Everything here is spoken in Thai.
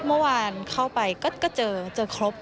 เมื่อวานเข้าไปก็เจอเจอครบ